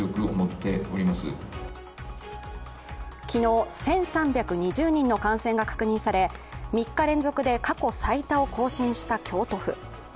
昨日、１３２０人の感染が確認され、３日連続で過去最多を更新した京都府。